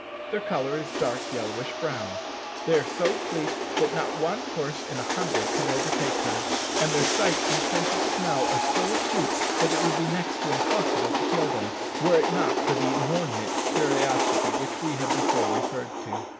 Their colour is dark yellowish brown. They are so fleet that not one horse in a hundred can overtake them; and their sight and sense of smell are so acute that it would be next to impossible to kill them, were it not for the inordinate curiosity which we have before referred to.